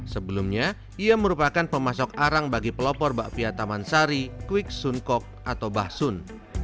sebelumnya ia merupakan pemasok arang bagi pelopor bakpia taman sari kwik sun kok atau bah sun